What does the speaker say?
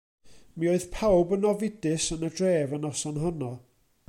Mi oedd pawb yn ofidus yn y dref y noson honno.